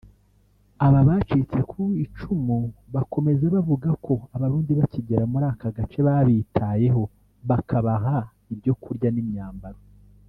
Aba bacitse ku icumu bakomeza bavuga ko Abarundi bakigera muri aka gace babitayeho bakabaha ibyo kurya n’imyambaro